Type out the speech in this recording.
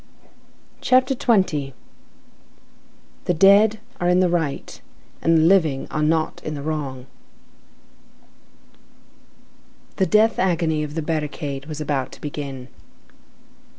CHAPTER XX—THE DEAD ARE IN THE RIGHT AND THE LIVING ARE NOT IN THE WRONG The death agony of the barricade was about to begin.